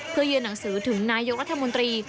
เพื่อยืนหนังสือถึงนายกรัฐมนตรี